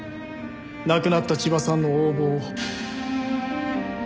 亡くなった千葉さんの横暴を。